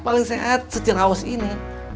paling sehat secerahus ini